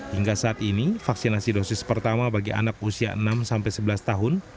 hingga saat ini vaksinasi dosis pertama bagi anak usia enam sebelas tahun